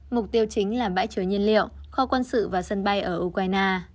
mục tiêu chính là bãi chứa nhiên liệu kho quân sự và sân bay ở ukraine